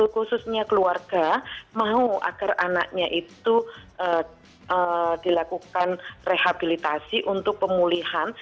khususnya keluarga mau agar anaknya itu dilakukan rehabilitasi untuk pemulihan